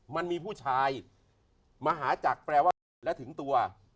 มันมีผู้ชายมหาจักรแปลว่าผิดและถึงตัว